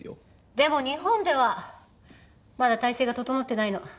でも日本ではまだ体制が整ってないの。